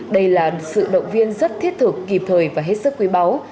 đây là sự động viên rất thiết thực kịp thời và hết sức quý báu